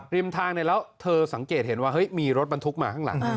ริมทางแล้วเธอสังเกตเห็นว่าเฮ้ยมีรถบรรทุกมาข้างหลัง